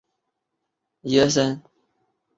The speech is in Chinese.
康熙二十六年中式丁卯科江南乡试举人。